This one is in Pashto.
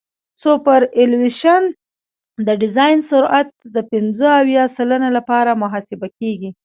سوپرایلیویشن د ډیزاین سرعت د پنځه اویا سلنه لپاره محاسبه کیږي